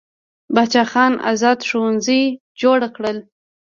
باچا خان ازاد ښوونځي جوړ کړل.